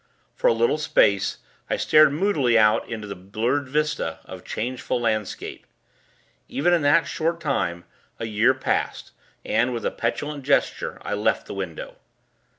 For a little space, I stared moodily out into the blurred vista of changeful landscape. Even in that short time, a year passed, and, with a petulant gesture, I left the window.